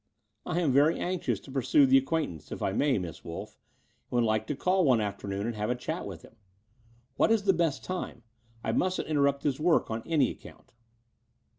''I am very anxious to pursue the acquaintance, if I may. Miss Wolff, and would like to call one afternoon and have a chat with him. What is his best time? I mustn't interrupt his work on any account."